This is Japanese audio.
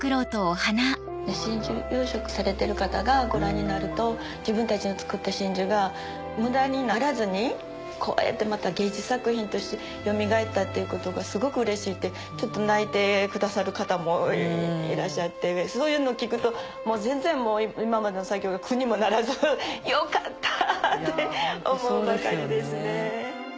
真珠養殖されてる方がご覧になると自分たちの作った真珠が無駄にならずにこうやって芸術作品としてよみがえったっていうことがすごくうれしいって泣いてくださる方もいらっしゃってそういうの聞くと今までの作業が苦にもならずよかったって思うばかりですね。